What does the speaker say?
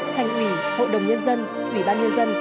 thành ủy hội đồng nhân dân ủy ban nhân dân